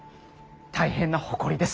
大変な誇りです。